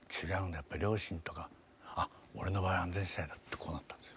やっぱり両親とかあっ俺の場合は安全地帯だってこうなったんですよ。